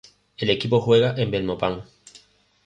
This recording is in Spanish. El equipo juega en Belmopán.